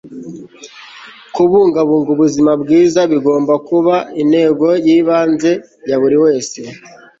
kubungabunga ubuzima bwiza bigomba kuba intego y'ibanze ya buri wese